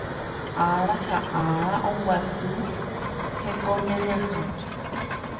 ára ha ára ombyasy hekoñañaha